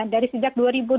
dari sejak dua ribu dua belas